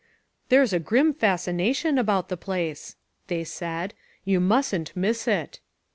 "There's a grim fascination about the place," they said; "you mustn't miss it."